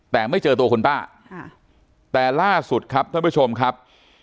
แต่ไม่เจอตัวคุณป้าแต่ล่าสุดครับท่านผู้ชมครับ